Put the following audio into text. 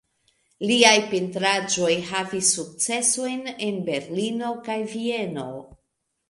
Liaj pentraĵoj havis sukcesojn en Berlino kaj Vieno.